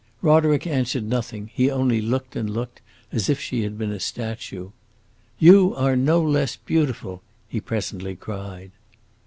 Roderick answered nothing; he only looked and looked, as if she had been a statue. "You are no less beautiful!" he presently cried.